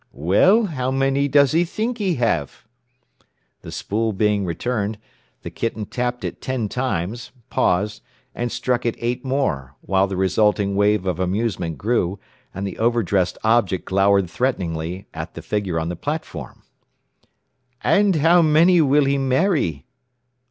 "Well, how many does he think he have?" The spool being returned, the kitten tapped it ten times, paused, and struck it eight more, while the resulting wave of amusement grew, and the over dressed object glowered threateningly at the figure on the platform. "And how many will he marry?...